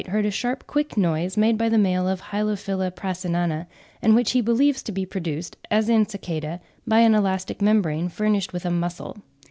heard a sharp quick noise made by the male of Hylophila prasinana, and which he believes to be produced, as in Cicada, by an elastic membrane, furnished with a muscle.